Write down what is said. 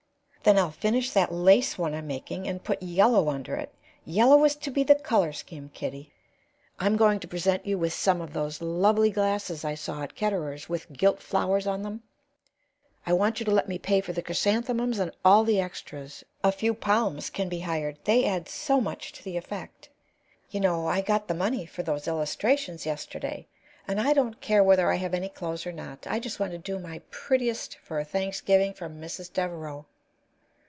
"Then I'll finish that lace one I'm making and put yellow under it. Yellow is to be the color scheme, Kitty. I'm going to present you with some of those lovely glasses I saw at Ketterer's, with gilt flowers on them. I want you to let me pay for the chrysanthemums and all the extras a few palms can be hired; they add so much to the effect. You know I got the money for those illustrations yesterday, and I don't care whether I have any clothes or not. I just want to do my prettiest for a Thanksgiving for Mrs. Devereaux."